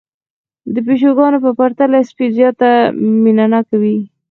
د پيشوګانو په پرتله سپي زيات مينه ناک وي